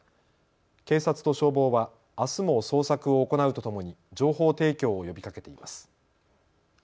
警察と消防はあすも捜索を行うとともに情報提供を呼びかけています。